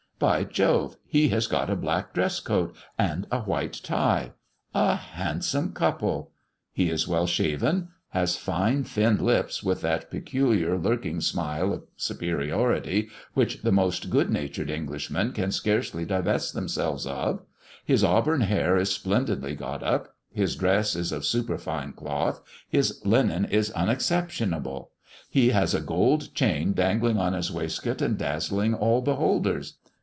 By Jove, he has got a black dress coat, and a white tie! A handsome couple! He is well shaven, has fine thin lips, with that peculiar, lurking smile of superiority, which the most good natured Englishmen can scarcely divest themselves of; his auburn hair is splendidly got up; his dress is of superfine cloth; his linen is unexceptionable; he has a gold chain dangling on his waistcoat, and dazzling all beholders.